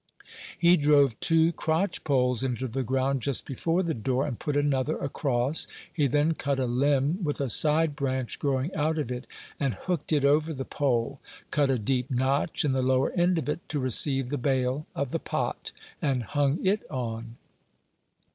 He drove two crotch poles into the ground, just before the door, and put another across; he then cut a limb with a side branch growing out of it, and hooked it over the pole; cut a deep notch in the lower end of it, to receive the bail of the pot, and hung it on.